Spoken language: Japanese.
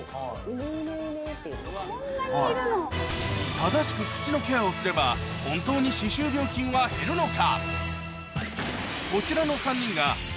正しく口のケアをすれば本当に歯周病菌は減るのか？